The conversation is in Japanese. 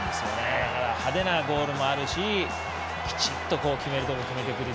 派手なゴールもあるしきちんと決めるところ決めてくる。